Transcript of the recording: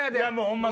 ホンマ